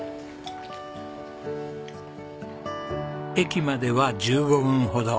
駅までは１５分ほど。